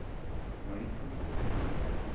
Ма истина је.